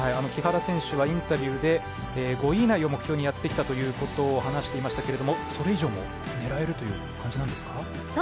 木原選手はインタビューで５位以内を目標にやってきたと話していましたがそれ以上も狙えるという感じなんですか？